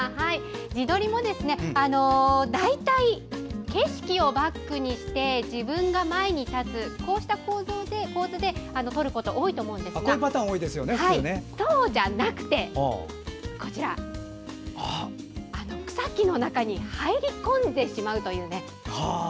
自撮りも大体景色をバックにして自分が前に立つ構図で撮ることが多いと思うんですがそうじゃなくて草木の中に入りこんでしまうという。